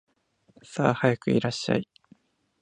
さあ、早くいらっしゃい